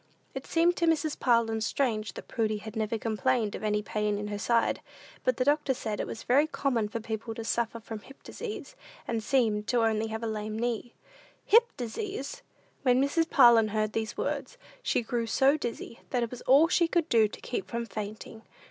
It seemed to Mrs. Parlin strange that Prudy had never complained of any pain in her side; but the doctor said it was very common for people to suffer from hip disease, and seem to have only a lame knee. "Hip disease!" When Mrs. Parlin heard these words, she grew so dizzy, that it was all she could do to keep from fainting.